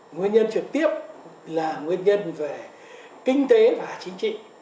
nguyên nhân trực tiếp là nguyên nhân về kinh tế và chính trị